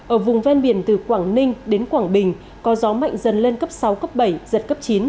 ở vùng ven biển từ quảng ninh đến quảng bình có gió mạnh dần lên cấp sáu cấp bảy giật cấp chín